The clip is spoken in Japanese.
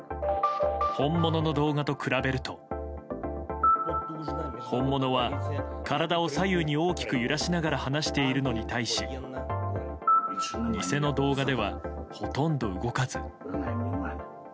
本物の動画と比べると、本物は体を左右に大きく揺らしながら話しているのに対し偽の動画では、ほとんど動かず。